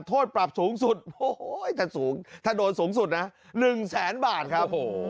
โทษปรับสูงสุดโอ้โหแต่สูงถ้าโดนสูงสุดน่ะหนึ่งแสนบาทครับโอ้โห